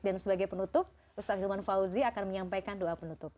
dan sebagai penutup ustaz hilman fauzi akan menyampaikan doa penutup